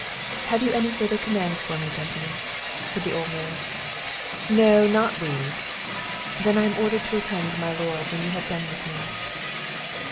"Have you any further commands for me, gentlemen?" said the old man. "No, not we." "Then I am ordered to attend my lord, when you have done with me."